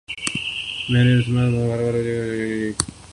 میں نے رسما مبارکباد پہ دے دی۔